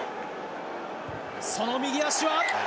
その右足は。